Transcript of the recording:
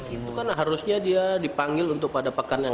itu kan harusnya dia dipanggil untuk pada pekan yang